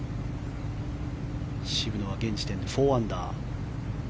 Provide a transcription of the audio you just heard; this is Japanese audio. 渋野は現時点で４アンダー。